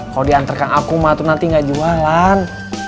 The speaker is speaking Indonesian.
kalo dianter sama akum mah nanti nggak jualan